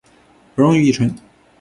可溶于乙醇。